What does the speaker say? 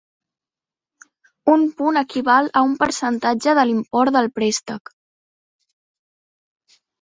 Un punt equival a un percentatge de l'import del préstec.